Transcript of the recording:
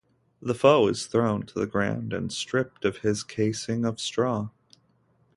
The foe is thrown to the ground and stripped of his casing of straw.